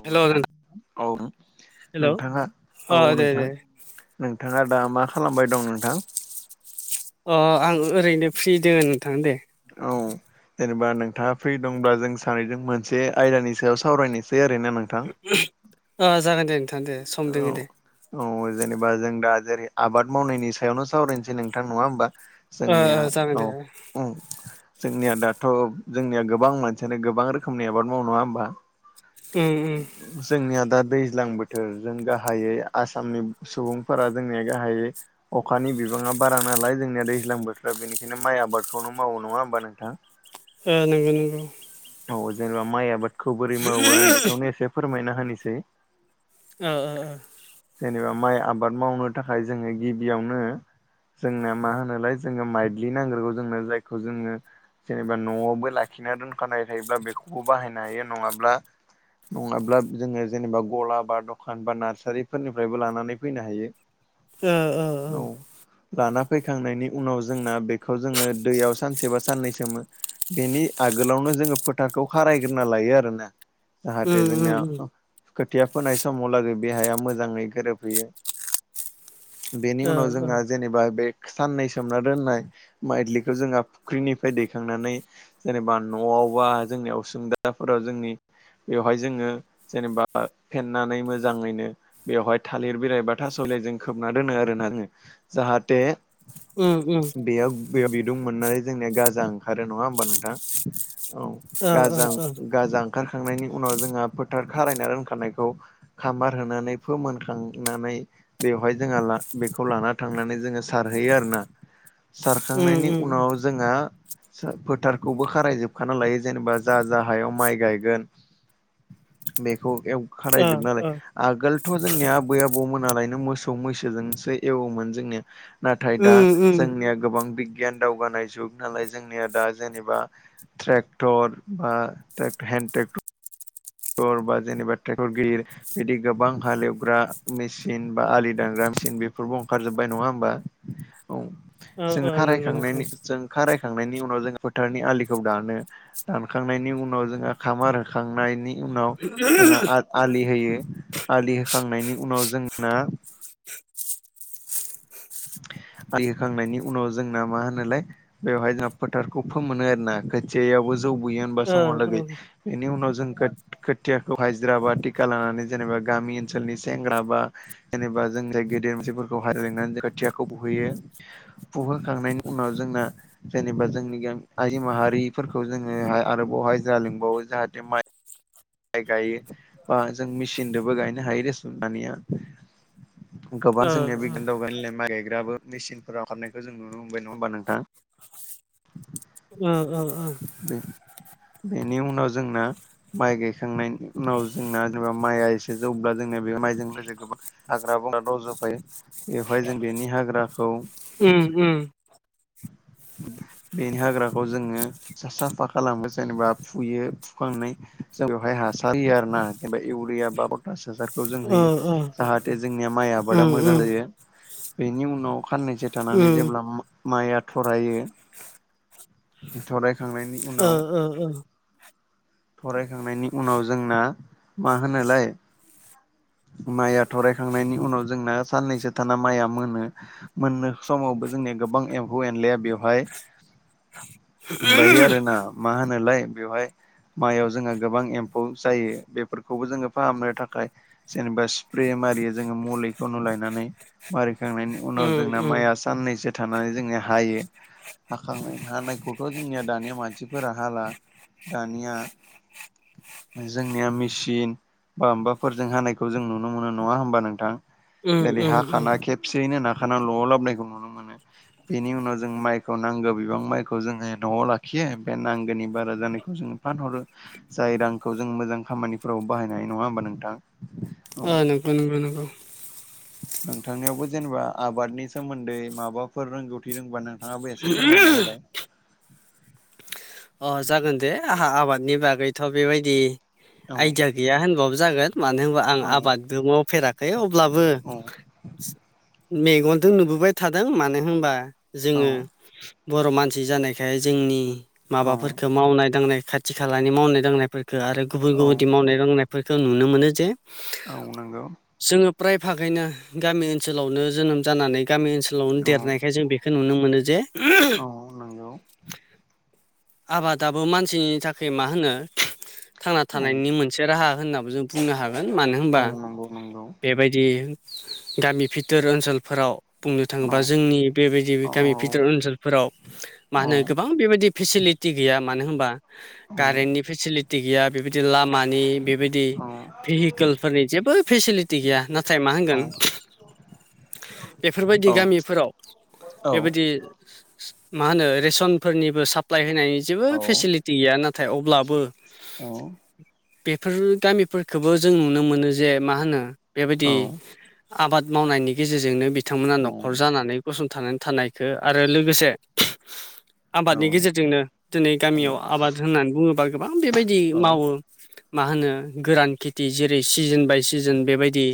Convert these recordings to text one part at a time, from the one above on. औ हेल' नोंथां औ नों नोंथाङा अ औ दे नोंथां दे नोंथाङा दा मा खालामबाय दं नोंथां? अ आं ओरैनो फ्रि दङो नोंथां दे औ जेनेबा नोंथाङा फ्रि दंब्ला जों सानैजों मोनसे आयदानि सायाव सावरायनोसै आरो ना मा? अ जागोन दे नोंथां दे सम औ दोङो दे औ जेनेबा जों दा जेरै आबाद मावनायनि सायावनो सावरायनोसै नोंथां नङा होमबा? ओ जोंनिया ओ जागोन औ। दे ओ जोंनिया दाथ' जोंनिया गोबां मानसियानो गोबां रोखोमनि आबाद मावो नङा होमबा? ओ हो। जोंनिया दा दैज्लां बोथोर जों गाहायै आसामनि सुबुंफोरा जोंनिया गाहायै अखानि बिबाङा बारा नालाय जोंनिया दैज्लां बोथोराव बेनिखायनो माइ आबादखौनो मावो नङा होमबा नोंथां? ओ नंगौ नंगौ। औ जेनेबा माइ आबादखौ बोरै मावो आं बेखौनो एसे फोरमायना होनोसै। ओ ओ। जेनेबा माइ आबाद मावनो थाखाय जोङो गिबियावनो जोंनो मा होनोलाय जोंङो माइज्लि नांग्रोगौ जोंनो जायखौ जोङो जेनेबा न'आवबो लाखिना दोनखानाय थायोब्ला बेखौबो बाहायनो हायो नङाब्ला नङाब्ला जोङो जेनेबा गला बा दखान बा नार्सारिफोरनिफ्रायबो लानानै फैनो हायो। ओ ओ उम ओ औ। लाना फैखांनायनि उनाव जोंना बेखौ जोङो दैयाव सानसे बा साननै सोमो। बेनि आगोलावनो जोङो फोथारखौ खारायग्रोना लायो आरोना जाहाथे जोंनिया खोथिया फोनाय समावलागै बे हाया मोजाङै गोरोबहैयो। बेनि ओ उनाव उम उम जोंहा जेनेबा बे साननै सोमना दोननाय माइज्लिखौ जोंहा फुख्रिनिफ्राय दैखांनानै जेनेबा न'आव बा जोंनि असुं गोदाफोराव जोंनि बेवहाय जोङो जेनेबा फेननानै मोजाङैनो बेवहाय थालिर बिलाइ बा थास' बिलाइजों खोबना दोनो आरोना जोङो जाहाथे उम उम। बेयाव बे बिदुं मोननानै जोंनिया गाजा ओंखारो नङा होमबा नोंथां। औ ओ ओ उम ओ गाजा गाजा ओंखारखांनायनि उनाव जोंहा फोथार खारायना दोनखानायखौ खामार होनानै फोमोनखांनानै बेवहाय जोंहा ला बेखौ लाना थांनानै जोङो सारहैयो आरोना। उम सारखांनायनि उनाव जोंहा सार फोथार खौबो खारायजोबखाना लायो जेनेबा जा जा हायाव माइ गायगोन। बेखौ एव खारायजोबनानै आगोलथ' जोंनि आबै आ‌ बौमोननालायनो मोसौ मैसोजोंसो एवोमोन जोंनिया। नाथाय दा उम जोंनिया गोबां बिगियान दावगानाय जुग नालाय जोंनिया दा जेने बा ट्रेकथर बा हेन्द ट्रेकटर टर बा जेनेबा ट्रेकटर गिदिर बिदि गोबां हालेवग्रा मेचिन बा आलि दानग्रा मेचिन बेफोरबो ओंखारजोबबाय नङा होमबा? औ ओ जों ओ नंगौ नंगौ ओ खारायखांनायनि जों खारायखांनायनि उनाव जों फोथारनि आलिखौ दानो। दानखांनायनि उनाव जोंहा खामार होखांनायनि उनाव जोंहा आ-आलि होयो आलि होखांनायनि उनाव जोंना आलि खोखांनायनि उनाव जोंना मा होनोलाय बेवहाय जोंहा फोथारखौ फोमोनो आरोना खोथियाबो जौबोयो होनबा समहा ओ लागै ओ बेनि उनाव जों खोथ-खोथियाखौ हाइजिर बा टिका लानानै जेनेबा गामि ओनसोलनि सेंग्रा बा जेनेबा जों जाय गेदेर मानसिफोरखौहाय लिंनानै जों खोथियाखौ फुहैयो। फुहोखांनायनि उनाव जोंना जेनेबा जोंनि गा आइ माहारिफोरखौ जोङो आ-आरोबावहाय जा लेंबावो जाहाथे माइ माइ गायो बा जों मेसिनदोबो गायनो हायो रेसन दानिया। गोबां ओ जोंनिया बिगियान [unintelligible] माइ गायग्राबो मेसिनफोरा ओंखारनायखौ जों नुनो मोनबाय नङा होमबा नोंथां? ओ ओ ओ। उम बेनि उनाव जोंना माइ गाय खांनायनि उनाव जोंना जेनेबा माइआ एसे जौब्ला जोंना बे माइजों लोगोसे गोबां हाग्रा बंग्रा रजफायो बेवहाय जों बेनि हाग्राखौ उम उम बेनि हाग्राखौ जोङो सा-साफा खालामो जेनेबा फुयो फुखांनाय जों बेवहाय हासार होयो आरोना जेनेबा इउरिया बा बटासाजार खौ जों ओ होयो ओ जाहाथे जोंनिया माइ आबादा उम मोजां उम जायो बेनि उनाव खाननैसो थानानै उम जेब्ला माइया थरायो थरायखांनायनि उनाव ओ ओ थरायखांनायनि उनाव जोंना मा होनोलाय माइया थरायखांनायनि उनाव जोंना साननैसो थाना माइया मोनो मोननो समावबो जोंनिया गोबां एम्फौ एनलाया बेवहाय माबायो ओ आरोना मा होनोलाय बेवहाय माइयाव जोंहा गोबां एम्फौ जायो बेफोरखौबो जोङो फाहामनो थाखाय। जेनेबा स्प्रे मारियो जोङो मुलिखौनो लायनानै मारिखांनायनि उम उनाव जोंना माइया साननैसो थानानै जोङो हायो हाखांनाय हानायखौथ' जोंनिया दानिया मानसिफोरा हाला दानिया जोंनिया मेसिन बा माबाफोरजों हानायखौ जों नुनो मोनो नङा होमबा नोंथां? उम जेरै- उम उम हाखाना खेबसेयैनो नाखाना न'आव लाबोनायखौ नुनो मोनो। बेनि उनाव जों माइखौ नांगौ बिबां माइखौ जोङो न'आव लाखियो बे नांगौनि बारा जानायखौ जों फानहरो जाय रांखौ जों मोजां खामानिफोराव बाहायनो हायो नङा होमबा नोंथां औ अ नंगौ नंगौ नंगौ नोंथांनियावबो जेनेबा आबादनि सोमोन्दै माबाफोर रोंगौथि रोंबा नों थाङाबो एसे फोरमायना होलाय अ जागोन दे आंहा आबादनि बागैथ' बेबायदि औ आइदिया गैया होनबाबो जागोन मानो होनबा आं औ आबादबो मावफेराखै अब्लाबो औ मेगनजों नुबोबाय थादों मानो होनबा औ जोङो बर' मानसि जानायखाय जोंनि औ माबाफोरखौ मावनाय दांनाय खाथि खालानि मावनाय दांनायफोर खो आरो गुबुन औ गुबुनदि मावनाय दांनायफोरखौ नुनो मोनो जे औ नंगौ जोङो फ्राय फागैनो गामि ओनसोलावनो जोनोम जानानै गामि ओनसोलावनो औ देरनायखाय जों बेखौ नुनो मोनो जे औ नंगौ। आबादाबो मानसिनि थाखाय मा होनो थांना औ थानायनि मोन से राहा होननाबो जों बुंनो हागोन मानो औ होनबा नंगौ नंगौ बेबायदि गामि फिथोर ओनसोलफोराव बुंनो औ थाङोबा जोंनि बेबायदि गामि औ भिथोर ओनसोलफोराव मा औ होनो गोबां बेबायदि फेसिलिटि गैया मानो होनबा। औ कारेन्टनि फेसिलिटि गैया बेबायदि लामानि बेबायदि औ भेहिकेलफोरनि जेबो फेसिलिटि गैया नाथाय मा औ होनगोन। बेफोर बायदि गामिफोराव बेबायदि मा होनो रेसनफोरनिबो साप्लाय होनाय जेबो फेसिलिटि गैया ना थाय अब्लाबो औ। बेफोर गामिफोरखौबो जों नुनो मोनो जे मा होनो बेबायदि। आबाद मावनायनि गेजेरजोंनो बिथांमोना न'खर जानानै। गसंथानानै थानायखौ आरो लोगोसे आबादनि गेजे जोंनो दिनै गामियाव आबाद होननानै बुङोबा गोबां बेबायदि औ मावो। मा होनो गोरान खेथि जेरै- सिजोन बाय सिजोन बेबायदि।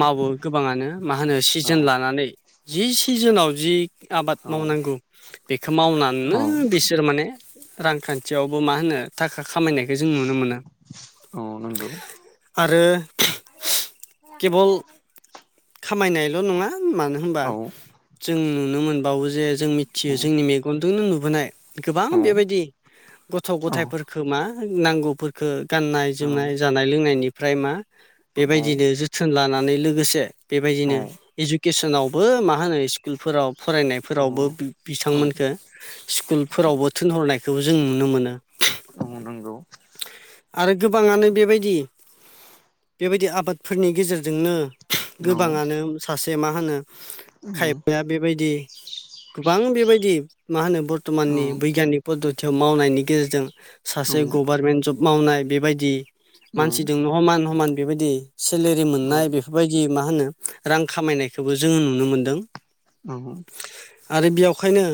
मावो गोबाङानो मा होनो सिजोन लानानै जि सिजोनाव जि आबाद औ औ मावनांगौ बेखौ मावनानैनो थारमाने रांखान्थियावबो मा होनो थाखा खामायनायखौ जों नुनो मोनो। औ नग आरो केबल खामायनायल' नङा मानो होनबा। औ जों नुनो मोनबावो जे जों औ मिथियो जोंनि मेगन। गुन्दुंनो नुबोनाय गोबां औ बेबायदि गथ' औ गथायाइफोरफोरखौ मा नांगौफोरखौ औ गाननाय औ जोमनाय औ जानाय लोंनायनिफ्राय मा औ बेबायदिनो जोथ जोथोन लानानै लोगोसे बेबायदिनो इडुकेसनावबो मा होनो स्कुलफोराव फरायनाय। फोरावबो औ बिथांमोनखो स्कुलफोरावबो थिोनहरनायखौ जों नुनो मोनो। माव नांगौ आरो गोबाङानो बेबायदि बेबायदि आबादफोरनि गेजेरजोंनो गोबाङानो सासे मा होनो खायफाया बेबायदि गोबां बेबायदि मा होनो बर्थ'माननि बैग्यानिक पद्दतियाव मावनायनि गेजेरजों सासे गभारमेन्ट जब मावनाय बेबायदि मानसिजोंनो समान समान बेबायदि सेलेरि मोननाय बेफोर। बेफोरबायदि मा होनो रां खामायनायखौबो जोङो नुनो मोन्दों। औ। आरो बेयावखायनो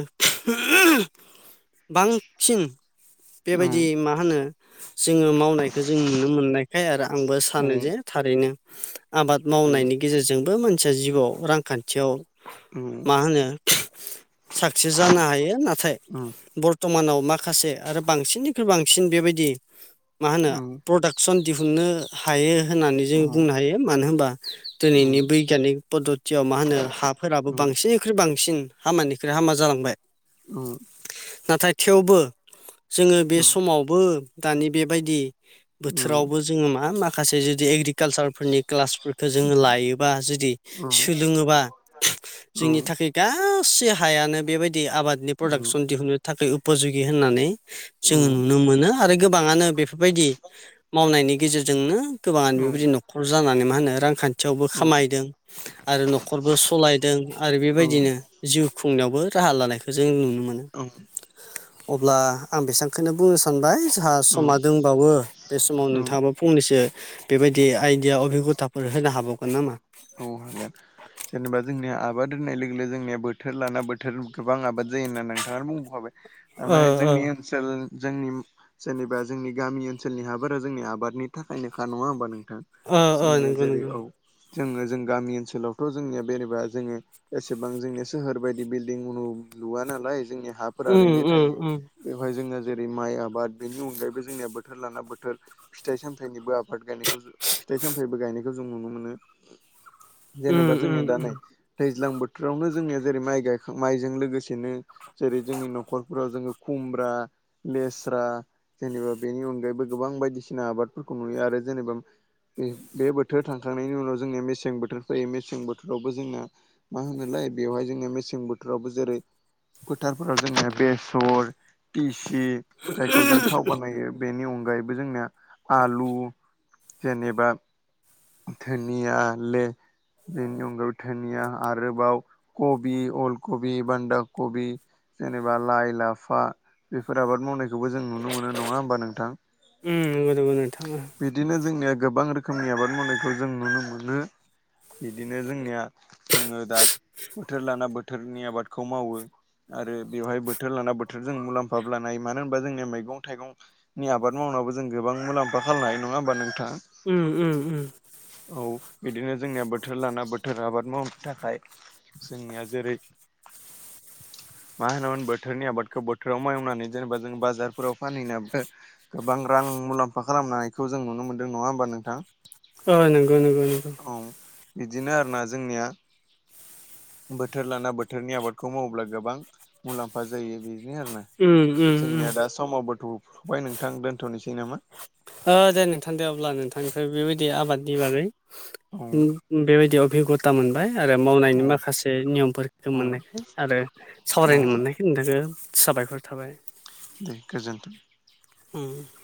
बांसिन बेबायदि मा होनो जोङो मावनायखौ जों नुनो मोननायखाय आरो आंबो सानो जे थारैनो आबाद मावनायनि गेजेरजोंबो मानसिया जिउआव रांखान्थियाव मा होनो साक्सेस जानो हायो नाथाय बर्थ'मानाव माखासे आरो बांसिननिख्रुइ बांसिन बेबायदि मा होनो प्रडाक्ट सन दिहुनन्नो हायो होननानै जों बुंनो हायो मानो होनबा। दिनैनि बैग्यानिक पद्द'तियाव मा होनो हाफोराबो बांसिन। खख्रुइ बांसिन हामानिख्रुइ हामा जालांबाय। औ नाथाय थेवबो जोङो बे समावबो दानि बेबायदि बोथोरावबो जोङो मा माखासे जुदि एग्रिकालसारफोरनि क्लासफोरखौ जोङो लायोबा जुदि सोलोङोबा जोंनि थाखाय गासै हायानो बेबायदि आबादनि प्रडाक्सन औ दिहुनो थाखाय उपजुगि होननानै औ जोङो नुनो मोनो आरो गोबाङानो बेफोरबायदि मावनायनि गेजेरजोंनो गोबाङानो औ बेबायदि न'खर जानानै मा होनो रांखान्थि खाथियावबो खामायदों आरो न'खरबो सालायदों आरो औ बेबायदिनो जिउ खुंनायावबो राहा लानायखौ जों नुनो मोनो औ अब्ला आं बेसबांखौनो बुंनो सानबाय जोंहा औ समा दंबावो बे समाव औ नोंथाङाबा फंनैसो बेबायदि आइदिया अभिगथाफोर होनो हाबावगोन नामा औ हगोन जेनेबा जोंनिया आबाद होननाय लोगो लोगो जोंनिया बोथोर लाना बोथोर गोबां आबाद जायो होनना नोंथाङा बुंबखाबाय ओ थारमाने ओ जोंनि ओनसोल जोंनि जेनेबा जोंनि गामि ओनसोलनि हा बोरा जोंनि आबादनि थाखायनोखा नङा होमबा नोंथां अ अ जोंनिया नंगौ जेरै नंगौ औ जोङो जों गामि ओनसोलावथ' जोंनिया बेेनेबा जोङो एसेबां जोंनि सोहोर बायदि बिल्डिं मु लुव नालाय जोंनि हाफोर उम ओरैनो उम थायो उम बेवहाय जोङो जेरै माइ आबाद बेनि अनगायैबो जोंनिया बोथोर लाना बोथोर फिथाइ सामथायाइनिबो आबाद गायनायखौ फिथाइ सामथायाइबो गायनायखौ जों नुनो मोनो उम जेनेबा जोंङया दा नै उम दैज्लां बोथोरावनो जोंङो जेरै माइ गायखां माइजों लोगोसेनो जेरै जोंनि न'खरफोराव जोङो खुमब्रा लेस्रा जेनेबा बेनि अनगायैबो गोबां बायदिसिना आबादफोरखौ नुयो आरो जेनेबा बे बोथोर थांखांनायनि उनाव जोंनिया मेसें बोथोर फैयो मेसें बोथोरावबो जोंना मा होनोलाय बेवहाय जोङो मेसें बोथोरावबो जेरै फोथारफोराव जोङो बेसर दिसि जायखौ जों थाव बानायो बेनि अनगायैबो जोंनिया आलु जेनेबा धोनिया ले बेनि अनगै धोनिया आरोबाव कबि अल कबि बान्दा कबि जेनेबा लाइ लाफा बेफोर आबाद मावनाय बेखौबो जों नुनो मोनो नङा होमबा नोंथां उम नंगौ नंगौ नोंथां ओ बिदिनो जोंनिया गोबां रोखोमनि आबाद मावनायखौ जों नुनो मोनो बिदिनो जोंनिया जोङो दा बोथोर लाना बोथोरनि आबादखौ मावो आरो बेवहाय बोथोर लाना बोथोरजों मुलाम्फाबो लानो हायो मानो होनबा जोंनिया मैगं थाइगं नि आबाद मावनाबो जों गोबां मुलाम्फा खालामनो हायो नङा होमबा नोंथा उम उम उम औ बिदिनो जोंनिया बोथोर लाना बोथोर आबाद मावनो थाखाय जोंनिया जेरै मा होनोमोन बोथोरनि आबादखौ बोथोराव मावनानै जेनेबा जों बाजारफोराव फानहैनो गोबां रां मुलाम्फा खालामनायखौ जों नुनो मोनदों नङा होमबा नोंथां औ नंगौ नंगौ नंगौ औ बिदिनो आरोना जोंनिया बोथोर लाना बोथोरनि आबादखौ मावोब्ला गोबां मुलाम्फा जायो बे बिदिनो आरोना उम उम उम जोंनिया दा समावबोथ'फबाय नोंथां दोनथ'नोसै नामा ओ दे नोंथां दे अब्ला नोंथांनिफ्राय बेबायदि आबादनि बागै औ बेबायदि अबिगथा मोनबाय आरो मावनायनि औ माखासे नियमफोरखौ औ मोननायखाय आरो औ सावरायनो मोननायखाय नोंथांखौ साबायखर थाबाय दे गोजोन्थों उम